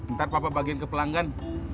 ntar papa bagiin ke pelanggan